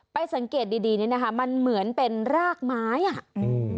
สังเกตดีดีนี่นะคะมันเหมือนเป็นรากไม้อ่ะอืม